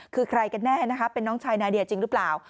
คือใครกันแน่นะคะเป็นน้องชายนาเดียจริงหรือเปล่า